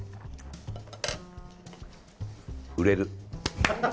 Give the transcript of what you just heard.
売れる。